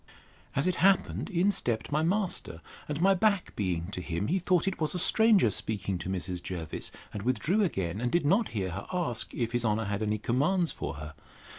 As it happened, in stept my master; and my back being to him, he thought it was a stranger speaking to Mrs. Jervis, and withdrew again: and did not hear her ask, If his honour had any commands for her?